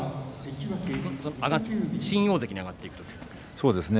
新大関に上がっていく時ですか？